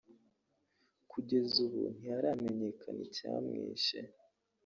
Kugeza ubu ntiharamenyekana icyamwishe